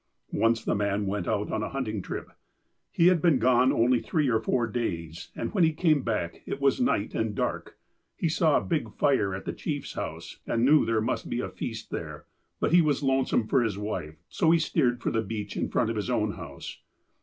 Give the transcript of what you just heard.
Once the man went out on a hunting trip. He had been gone only three or four days, and when he came back it was night, and dark. He saw a big fire at the chief's house, and knew there must be a feast there. But he was lonesome for his wife, so he steered for the beach in front of his own house.